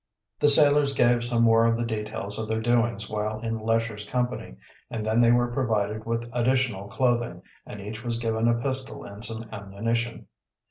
The sailors gave some more of the details of their doings while in Lesher's company, and then they were provided with additional clothing, and each was given a pistol and some ammunition.